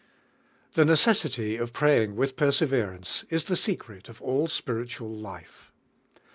"T*nK necessity of waving with perse veraime in the secret of all spiritual life.